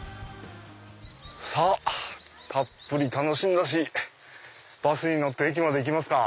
さぁたっぷり楽しんだしバスに乗って駅まで行きますか。